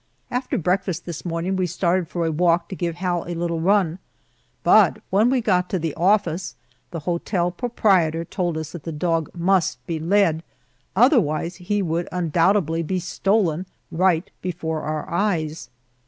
After breakfast this morning we started for a walk to give Hal a little run, but when we got to the office the hotel proprietor told us that the dog must be led, otherwise he would undoubtedly be stolen right before our eyes.